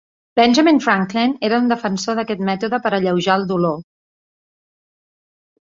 Benjamin Franklin era un defensor d'aquest mètode per alleujar el dolor.